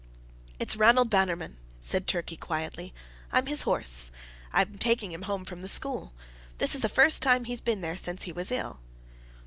"It's Ranald Bannerman," said Turkey quietly. "I'm his horse. I'm taking him home from the school. This is the first time he's been there since he was ill."